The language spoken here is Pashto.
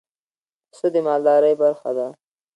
پسه د مالدارۍ برخه ده.